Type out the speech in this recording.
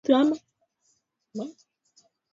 Maziwa yamemwagika.